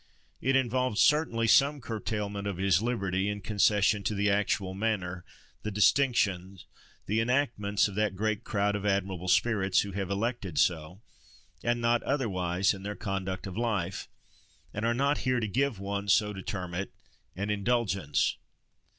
It involved, certainly, some curtailment of his liberty, in concession to the actual manner, the distinctions, the enactments of that great crowd of admirable spirits, who have elected so, and not otherwise, in their conduct of life, and are not here to give one, so to term it, an "indulgence."